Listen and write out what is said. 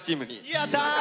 やった！